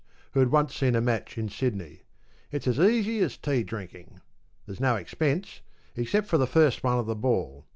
who had once seen a match in Sydney. ‘It's as easy as tea drinking. There's no expense, except the first one of the ball.